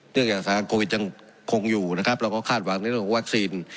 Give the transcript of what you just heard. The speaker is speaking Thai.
จากสถานการณ์โควิดยังคงอยู่นะครับเราก็คาดหวังในเรื่องของวัคซีน